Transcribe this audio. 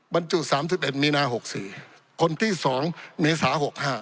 บรรจุ๓๑มีนา๖๔คนที่๒เมษา๖๕